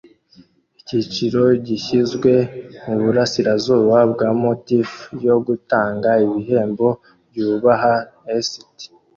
Icyiciro gishyizwe muburasirazuba bwa motif yo gutanga ibihembo byubaha st